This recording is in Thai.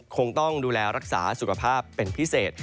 คงต้องดูแลรักษาสุขภาพเป็นพิเศษ